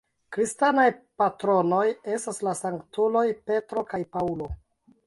Kristanaj patronoj estas la sanktuloj Petro kaj Paŭlo.